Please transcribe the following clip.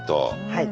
はい。